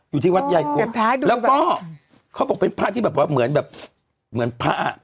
อยู่ที่วัดยายกลัวแล้วก็เขาบอกเป็นพระที่แบบว่าเหมือนแบบเหมือนพระ